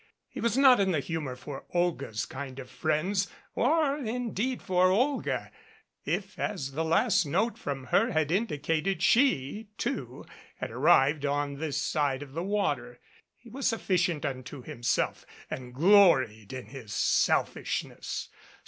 He was not in the humor for Olga's kind of friends cr indeed for Olga, if as the last note from her had indicated she, too, had arrived on this side of the water. He was sufficient unto himself and gloried in his selfishness.